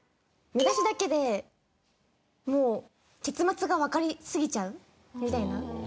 見出しだけでもう結末がわかりすぎちゃうみたいな？